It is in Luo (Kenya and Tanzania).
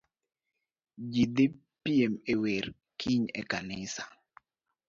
Ji dhi piem e wer kiny ekanisa.